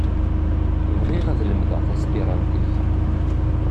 Bɣiɣ ad lemdeɣ taspirantit.